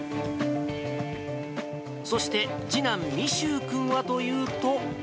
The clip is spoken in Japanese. そして、次男、みしゅう君はというと。